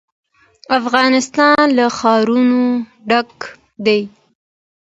افغانستان له ښارونه ډک دی.